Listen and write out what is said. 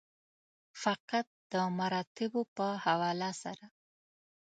فقط د مراتبو په حواله سره.